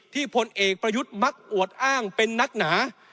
พลเอกประยุทธ์มักอวดอ้างเป็นนักหนา